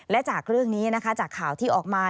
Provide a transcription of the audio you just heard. และจากเรื่องนี้นะคะจากข่าวที่ออกมา